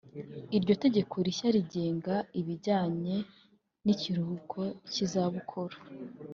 Iryo tegeko rishya rigenga ibijyanye n’ikiruhuko cy’izabukuru